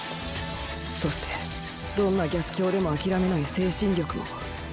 そしてどんな逆境でも諦めない精神力も。